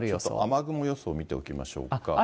雨雲予想見ておきましょうか。